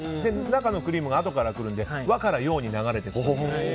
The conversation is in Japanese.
中のクリームがあとから来るので和から洋に流れていく。